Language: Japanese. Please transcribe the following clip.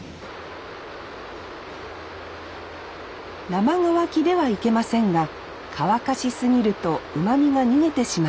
生乾きではいけませんが乾かし過ぎるとうまみが逃げてしまいます。